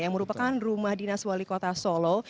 yang merupakan rumah dinas wali kota solo